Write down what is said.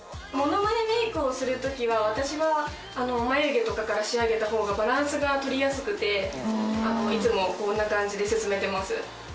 物まねメークをするときは私は眉毛とかから仕上げた方がバランスが取りやすくていつもこんな感じで進めてます。